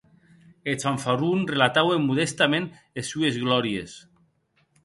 Eth fanfarron relataue modèstament es sues glòries.